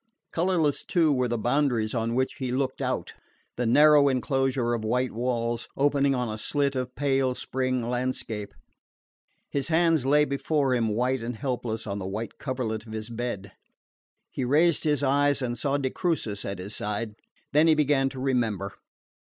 Colourless too were the boundaries on which he looked out: the narrow enclosure of white walls, opening on a slit of pale spring landscape. His hands lay before him, white and helpless on the white coverlet of his bed. He raised his eyes and saw de Crucis at his side. Then he began to remember.